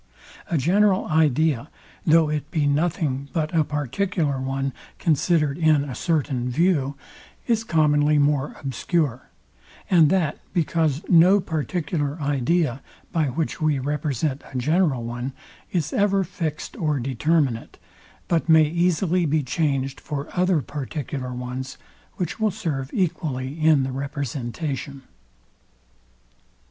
A general idea, though it be nothing but a particular one considered in a certain view, is commonly more obscure; and that because no particular idea, by which we represent a general one, is ever fixed or determinate, but may easily be changed for other particular ones, which will serve equally in the representation.